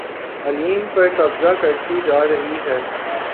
علیم پر قبضہ کرتی جا رہی ہے